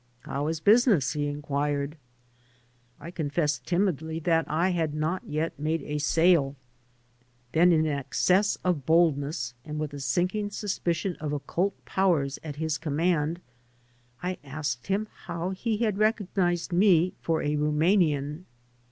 "How is business?" he inquired. I confessed timidly that I had not yet made a sale. Then, in an access of boldness and with a sinking suspicion of occult powers at his command, I asked him how he had recognized me for a Rumanian.